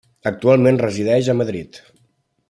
Actualment resideix a Madrid.